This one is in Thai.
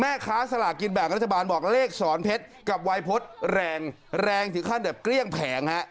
แม่ค้าสลากกินแบ่งรัฐบาลบอกเลขสอนเพชรกับวัยพฤษแรงแรงถึงขั้นแบบเกลี้ยงแผงฮะ